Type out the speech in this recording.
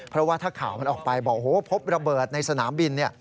เพราะว่าถ้าข่าวมันออกไปบอกโอ้โหพบระเบิดในสนามบิน